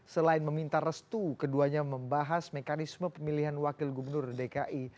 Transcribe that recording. selain meminta restu keduanya membahas mekanisme pemilihan wakil gubernur dki